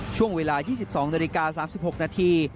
ช่วงเวลา๒๒นาฬิกา๓๖นาที